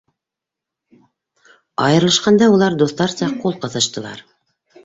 Айырылышҡанда улар дуҫтарса ҡул ҡыҫыштылар.